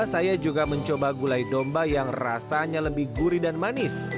saya juga mencoba gulai domba yang rasanya lebih gurih dan manis